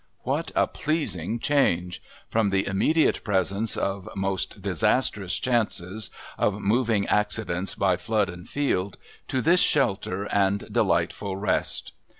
What a pleasing change! From the immediate presence "of most disastrous chances; of moving accidents by flood and field," to this shelter and delightful rest.